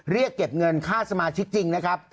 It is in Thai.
เรียกเก็บเงินค่าสมาชิกจริงนะครับ